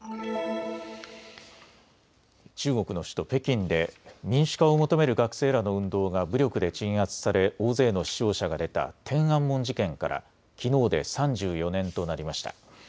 中国の首都・北京で民主化を求める学生らの運動が武力で鎮圧され大勢の死傷者が出た天安門事件からきのうで３４年となりました。